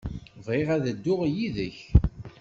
Bɣiɣ ad dduɣ yid-k.